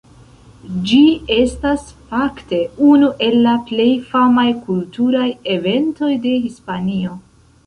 Ĝi estas, fakte, unu el la plej famaj kulturaj eventoj de Hispanio.